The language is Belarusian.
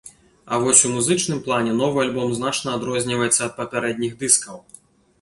А вось у музычным плане новы альбом значна адрозніваецца ад папярэдніх дыскаў.